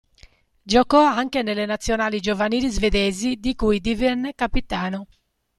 Giocò anche nelle nazionali giovanili svedesi di cui divenne capitano.